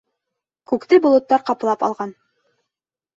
Күкте болоттар ҡаплап алған.